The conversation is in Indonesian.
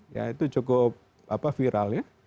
ya itu cukup viral ya